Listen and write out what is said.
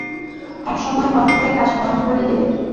একসময় ফট করে কাজ বন্ধ করে দেবে।